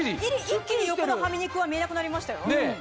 一気に横のハミ肉が見えなくなりましたよ。